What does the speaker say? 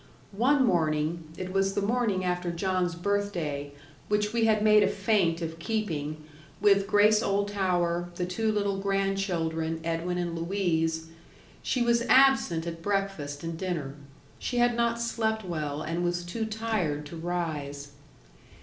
One morning it was the morning after John's birthday, which we had made a feint of keeping, with Grace Oldtower, the two little grandchildren, Edwin and Louise she was absent at breakfast and dinner; she had not slept well, and was too tired to rise.